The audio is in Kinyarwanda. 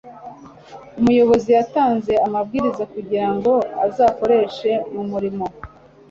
umuyobozi yatanze amabwiriza kugira ngo azakoreshwe mu murimo